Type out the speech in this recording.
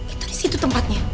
itu disitu tempatnya